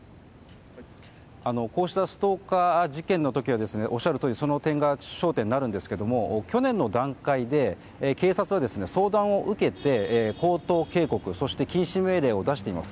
こうしたストーカー事件の時はおっしゃるとおりその点が焦点になるんですが去年の段階で、警察は相談を受けて口頭警告そして禁止命令を出しています。